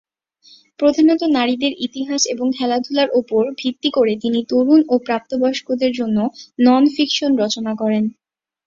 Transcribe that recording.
প্রধানত নারীদের ইতিহাস এবং খেলাধুলার উপর ভিত্তি করে তিনি তরুণ ও প্রাপ্তবয়স্কদের জন্য নন-ফিকশন রচনা করেন।